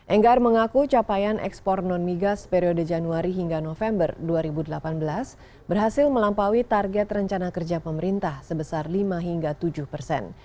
enggar mengaku capaian ekspor non migas periode januari hingga november dua ribu delapan belas berhasil melampaui target rencana kerja pemerintah sebesar lima hingga tujuh persen